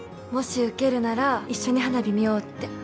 もし受けるなら一緒に花火見ようって。